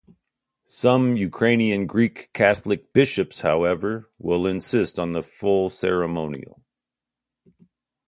Some Ukrainian Greek Catholic Bishops, however, will insist on the full ceremonial.